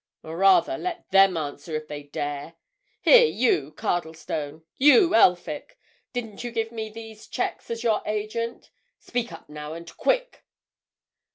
Or, rather, let them answer if they dare. Here you, Cardlestone, you Elphick—didn't you give me these cheques as your agent? Speak up now, and quick!"